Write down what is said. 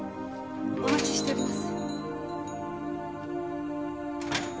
お待ちしております。